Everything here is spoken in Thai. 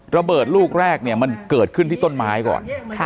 ระเบิดลูกแรกเนี่ยมันเกิดขึ้นที่ต้นไม้ก่อน